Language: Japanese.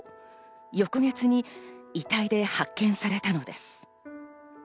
翌月に遺体で発見されたのです。